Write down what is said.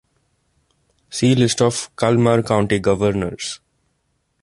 See List of Kalmar County Governors.